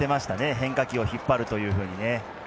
変化球を引っ張るというふうに。